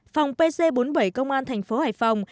phòng pc bốn mươi bảy công an thành phố hải phòng